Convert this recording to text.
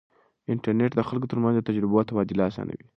انټرنیټ د خلکو ترمنځ د تجربو تبادله اسانوي.